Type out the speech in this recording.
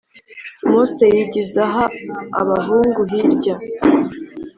Mose yigiza ha abahungu hirya